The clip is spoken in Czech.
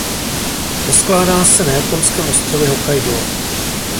Rozkládá se na japonském ostrově Hokkaidó.